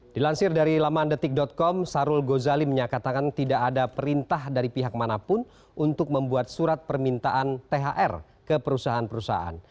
dilansir dari lamandetik com sarul gozali menyatakan tidak ada perintah dari pihak manapun untuk membuat surat permintaan thr ke perusahaan perusahaan